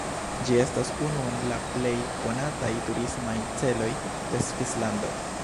Ĝi estas unu el la plej konataj turismaj celoj de Svislando.